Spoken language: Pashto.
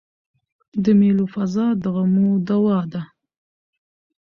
د مېلو فضا د غمو دوا ده.